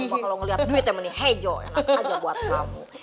kamu bakal ngeliat duitnya menih hejo enak aja buat kamu